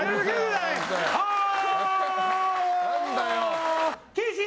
何だよ。